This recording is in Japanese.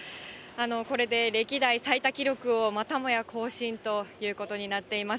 これで歴代最多記録をまたもや更新ということになっています。